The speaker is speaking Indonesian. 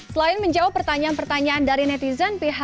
selain menjawab pertanyaan pertanyaan dari netizen pihak aqua